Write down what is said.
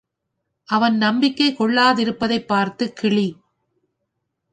அவன் நம்பிக்கை கொள்ளாதிருப்பதைப் பார்த்துக் கிளி.